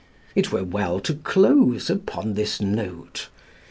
It were well to close upon this note.